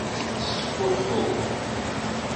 Tettfuḥu.